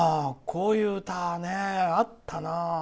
こういう歌ね、あったな。